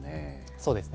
そうですね。